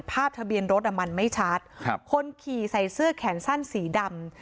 ทะเบียนรถอ่ะมันไม่ชัดครับคนขี่ใส่เสื้อแขนสั้นสีดำ